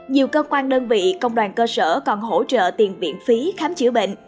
nhiều cơ quan đơn vị công đoàn cơ sở còn hỗ trợ tiền viện phí khám chữa bệnh